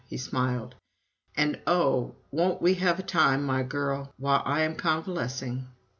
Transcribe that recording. he smiled. "And oh, won't we have a time, my girl, while I am convalescing!"